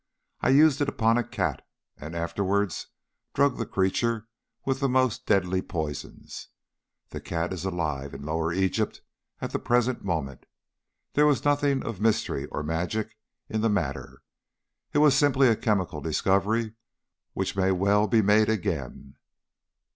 I used it upon a cat, and afterwards drugged the creature with the most deadly poisons. That cat is alive in Lower Egypt at the present moment. There was nothing of mystery or magic in the matter. It was simply a chemical discovery, which may well be made again.